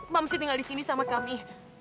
mbak mesti tinggal disini sama kami